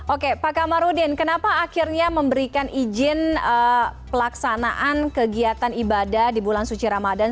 oke pak kamarudin kenapa akhirnya memberikan izin pelaksanaan kegiatan ibadah di bulan suci ramadan